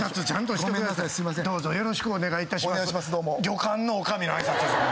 旅館の女将の挨拶やそれ。